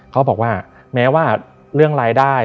เขาบอกว่าแม้ว่าเรื่องรายได้